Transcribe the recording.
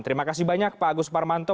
terima kasih banyak pak agus parmanto